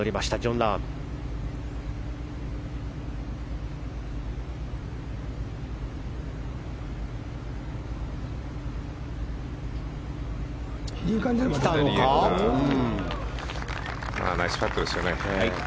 ナイスパットですね。